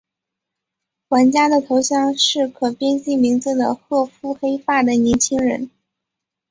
玩家的头像是可编辑名字的褐肤黑发的年轻人。